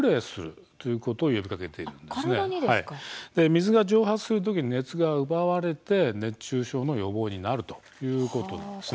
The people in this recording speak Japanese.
水が蒸発するときに熱が奪われて熱中症の予防になるということなんです。